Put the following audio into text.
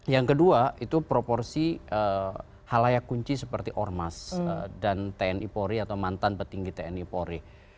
yang kedua itu proporsi halayak kunci seperti ormas dan tni polri atau mantan petinggi tni polri